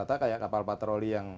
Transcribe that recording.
ya rata rata kayak kapal patroli yang